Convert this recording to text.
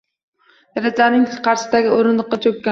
Derazang qarshisidagi o’rindiqqa cho’kkan